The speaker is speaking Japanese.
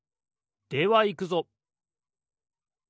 ではいくぞ！